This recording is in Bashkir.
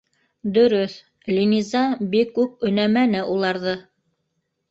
Дөрөҫ, Линиза бик үк өнәмәне уларҙы.